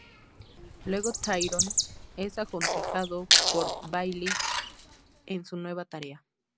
Luego Tyrion es aconsejado por Baelish en su nueva tarea.